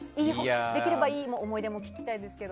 できればいい思い出も聞きたいですけど。